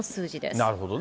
なるほどね。